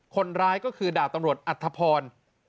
คนร้ายก็คือดาบตำรวจอัธพร